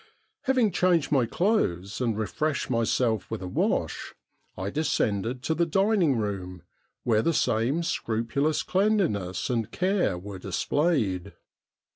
Having changed my clothes and refreshed myself with a wash, I descended to the dining room, where the same scrupulous cleanliness and care were displayed.